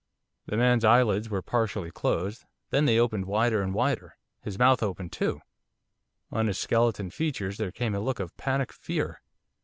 The man's eyelids were partially closed. Then they opened wider and wider. His mouth opened too. On his skeleton features there came a look of panic fear.